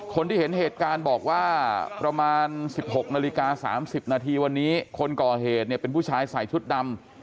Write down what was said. คนที่เห็นเหตุการณ์บอกว่าประมาณ๑๖นาฬิกา๓๐นาทีวันนี้คนก่อเหตุเนี่ยเป็นผู้ชายใส่ชุดดำ